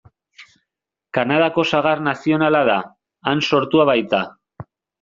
Kanadako sagar nazionala da, han sortua baita.